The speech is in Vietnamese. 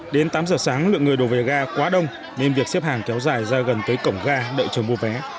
đến tám giờ sáng lượng người đổ về ga quá đông nên việc xếp hàng kéo dài ra gần tới cổng ga đợi chờ mua vé